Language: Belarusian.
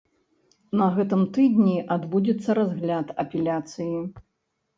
На гэтым тыдні адбудзецца разгляд апеляцыі.